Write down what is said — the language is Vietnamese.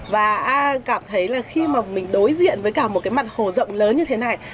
và ai cảm thấy là khi mà mình đối diện với cả một cái mặt hồ rộng lớn như thế này